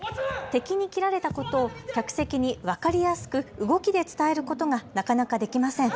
敵に斬られたことを客席に分かりやすく動きで伝えることがなかなかできません。